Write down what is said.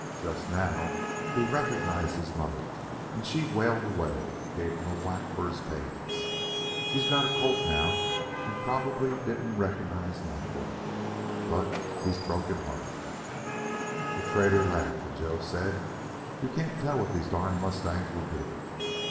Just now he recognized his mother and she whaled away and gave him a whack for his pains. She's got a colt now and probably didn't recognize Nack yal. But he's broken hearted." The trader laughed, and Joe said, "You can't tell what these durn mustangs will do."